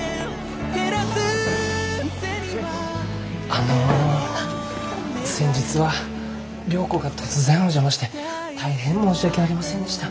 あの先日は良子が突然お邪魔して大変申し訳ありませんでした。